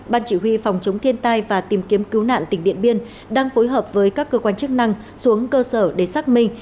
ban chỉ huy phòng chống thiên tai và tìm kiếm cứu nạn tỉnh điện biên đang phối hợp với các cơ quan chức năng xuống cơ sở để xác minh